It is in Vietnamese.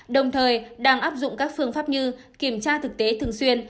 đồng thời đang áp dụng các phương pháp như kiểm tra thực tế thường xuyên